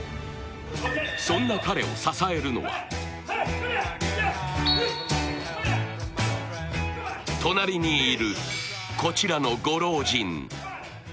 そんな彼を支えるのは隣にいる、こちらのご老人。